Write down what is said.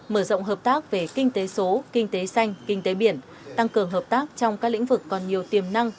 mở rộng hợp tác về kinh tế số kinh tế xanh kinh tế biển tăng cường hợp tác trong các lĩnh vực còn nhiều tiềm năng